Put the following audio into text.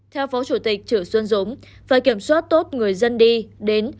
theo phó chủ tịch trữ xuân dũng phải kiểm soát tốt người dân đi đến